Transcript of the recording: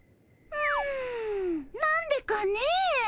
んなんでかねえ。